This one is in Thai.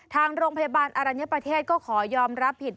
ทางโรงพยาบาลอรัญญประเทศก็ขอยอมรับผิด